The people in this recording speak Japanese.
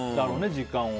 時間を。